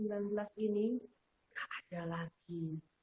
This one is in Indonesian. gak ada lagi